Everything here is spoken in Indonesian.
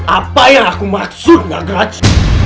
apa yang aku maksud ya geraci